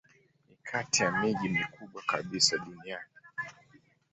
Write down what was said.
Ni kati ya miji mikubwa kabisa duniani.